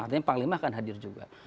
artinya panglima akan hadir juga